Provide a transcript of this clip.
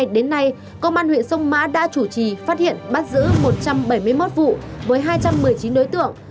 đến nay công an huyện sông mã đã chủ trì phát hiện bắt giữ một trăm bảy mươi một vụ với hai trăm một mươi chín đối tượng